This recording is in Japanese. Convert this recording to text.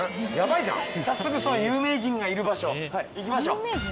早速その有名人がいる場所行きましょう。